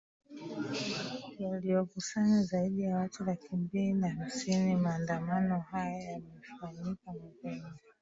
yaliokusanya zaidi ya watu laki mbili na hamsini maandamano haya yamefanyika mapema